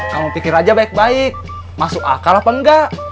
kamu pikir aja baik baik masuk akal apa enggak